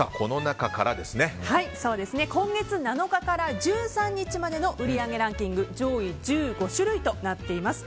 今月７日から１３日までの売上ランキング上位１５種類となっています。